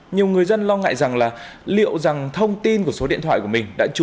nhiều người dân lo ngại rằng là liệu rằng thông tin của dân cư là thông tin của quốc gia về dân cư